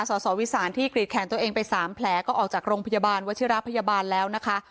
สสวิสานที่กรีดแขนตัวเองไป๓แผลก็ออกจากโรงพยาบาลวัชิระพยาบาลแล้วนะคะ